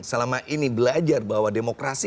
selama ini belajar bahwa demokrasi